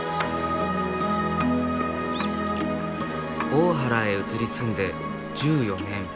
大原へ移り住んで１４年。